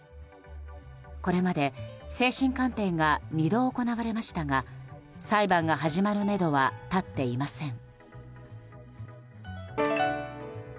これまで、精神鑑定が２度、行われましたが裁判が始まるめどは立っていません。